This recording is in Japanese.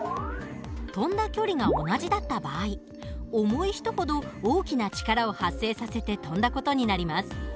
跳んだ距離が同じだった場合重い人ほど大きな力を発生させて跳んだ事になります。